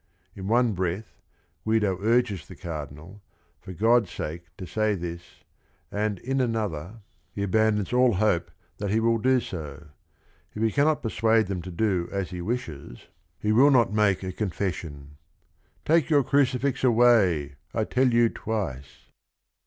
In one breath, Guido urges the Cardinal, for God's sake to say this, and in another he abandons all hope that he will do so. If he cannot persuade them to do as he wishes, he will not make a con 190 THE RING AND THE BOOK fession; "take your crucifix away, I tell you twice."